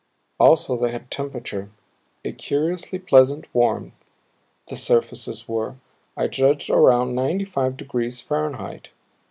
Also they had temperature, a curiously pleasant warmth the surfaces were, I judged, around ninety five degrees Fahrenheit.